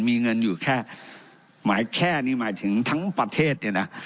มีเงินอยู่แค่หมายแค่นี้หมายถึงทั้งประเทศเนี่ยนะ